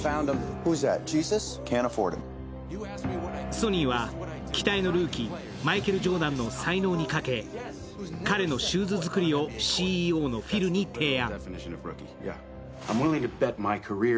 ソニーは、期待のルーキー、マイケル・ジョーダンの才能にかけ彼のシューズ作りをＣＥＯのフィルに提案。